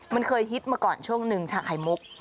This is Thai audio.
มันเคยฮิตมาก่อนช่วงหนึ่งฉากไข่มุก